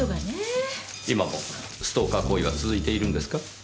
今もストーカー行為は続いているんですか？